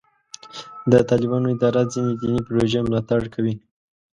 د طالبانو اداره ځینې دیني پروژې ملاتړ کوي.